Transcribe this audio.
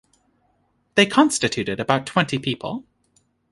They constituted about twenty people.